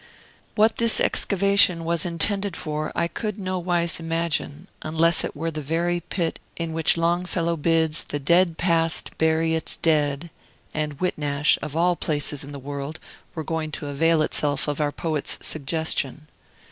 What this excavation was intended for I could nowise imagine, unless it were the very pit in which Longfellow bids the "Dead Past bury its Dead," and Whitnash, of all places in the world, were going to avail itself of our poet's suggestion.